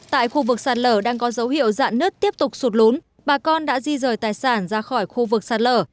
tại khu vực sạt lở đang có dấu hiệu dạn nứt tiếp tục sụt lún bà con đã di rời tài sản ra khỏi khu vực sạt lở